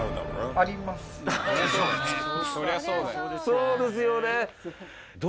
そうですよね。